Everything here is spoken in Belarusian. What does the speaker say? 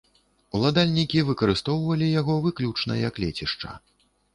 Уладальнікі выкарыстоўвалі яго выключна як лецішча.